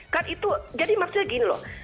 kan itu jadi maksudnya gini loh